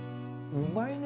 うまいね。